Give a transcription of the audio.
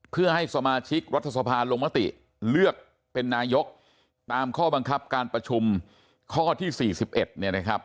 เพื่อให้สมาชิกรัฐสภาลงมติเลือกเป็นนายกตามข้อบังคับการประชุมข้อที่๔๑เนี่ยนะครับ